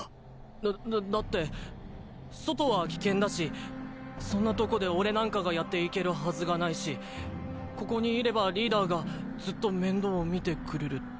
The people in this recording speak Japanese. だだだって外は危険だしそんなとこで俺なんかがやっていけるはずがないしここにいればリーダーがずっと面倒を見てくれるって。